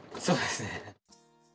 そうですね。